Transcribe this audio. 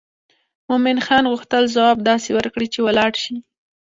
مومن خان غوښتل ځواب داسې ورکړي چې ولاړ شي.